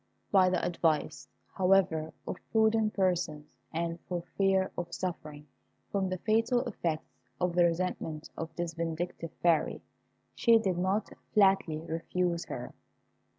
By the advice, however, of prudent persons, and for fear of suffering from the fatal effects of the resentment of this vindictive Fairy, she did not flatly refuse her.